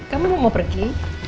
kamu mau pergi